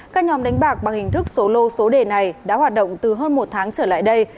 các nhóm đánh bạc bằng hình thức số lô số đề này đã hoạt động từ hơn một tháng trở lại đây